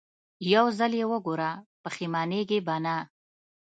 يو ځل يې وګوره پښېمانېږې به نه.